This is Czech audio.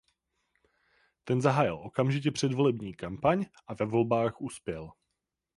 Ten zahájil okamžitě předvolební kampaň a ve volbách uspěl.